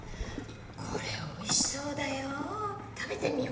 これおいしそうだよ